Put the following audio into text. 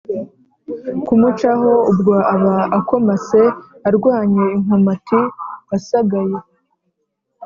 kumucaho ubwo aba akomase (arwanye inkomati, asagaye)